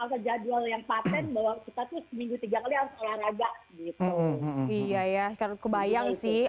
ke jadwal yang patent bahwa kita tuh seminggu tiga kali harus olahraga gitu iya ya karena kebayang sih